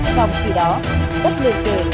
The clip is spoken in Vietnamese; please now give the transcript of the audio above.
trong khi đó bất liền kể